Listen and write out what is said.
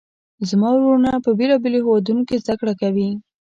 زما وروڼه په بیلابیلو هیوادونو کې زده کړه کوي